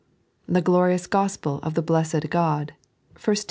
The glorious Gospdofthe Blessed God" (1 Tim.